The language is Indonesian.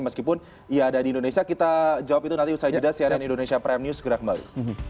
meskipun ya ada di indonesia kita jawab itu nanti usai jeda cnn indonesia prime news segera kembali